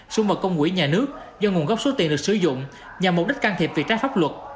xuống vào công quỹ nhà nước do nguồn gốc số tiền được sử dụng nhằm mục đích can thiệp việc trách pháp luật